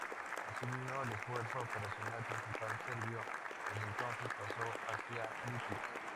Asimismo, el esfuerzo operacional principal serbio, desde entonces, pasa hacia Lipik.